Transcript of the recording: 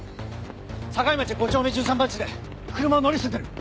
栄町５丁目１３番地で車を乗り捨ててる。